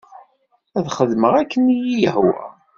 Ad xedmeɣ akken i iyi-yehwa.